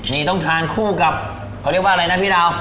นี่ต้องทานคู่กับเขาเรียกว่าอะไรนะพี่ดาว